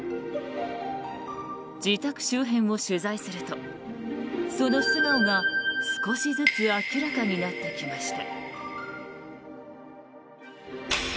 自宅周辺を取材するとその素顔が少しずつ明らかになってきました。